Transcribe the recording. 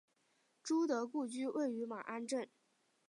朱德故居位于马鞍镇。